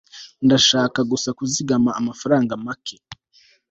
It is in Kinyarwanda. ndashaka gusa kuzigama amafaranga make